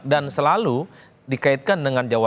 dan selalu dikaitkan dengan jawaban